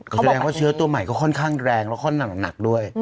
แสดงว่าเชื้อตัวใหม่ก็ค่อนข้างแรงแล้วก็หนักด้วย